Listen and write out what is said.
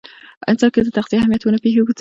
انسان که د تغذیې اهمیت ونه پوهیږي، ناروغ کیږي.